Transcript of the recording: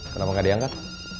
kenapa gak diangkat